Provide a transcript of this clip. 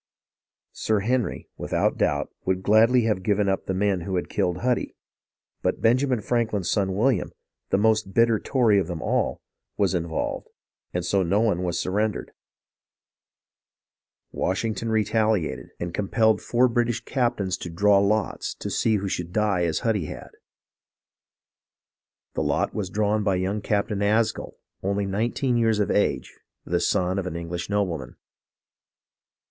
Sir Henry, without doubt, would gladly have given up the men who had killed Huddy; but Benjamin Franklin's son William, the most bitter Tory of them all, was in volved, and so no one was surrendered. Washington SUFFERINGS OF THE COMMON PEOPLE 2/9 retaliated, and compelled four British captains to "draw lots" to see who should die as Huddy had. The lot was drawn by young Captain Asgill, only nineteen years of age, the son of an English nobleman.